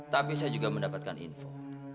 tapi saya juga mendapatkan info